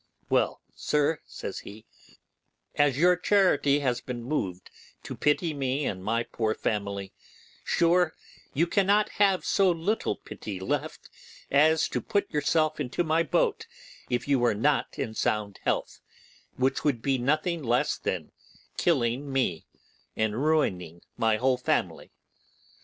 Well, sir,' says he, 'as your charity has been moved to pity me and my poor family, sure you cannot have so little pity left as to put yourself into my boat if you were not sound in health which would be nothing less than killing me and ruining my whole family.